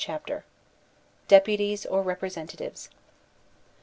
CHAPTER XV. Deputies or Representatives.